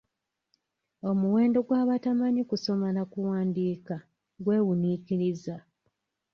Omuwendo gw'abatamanyi kusoma na kuwandiika gwewuniikiriza.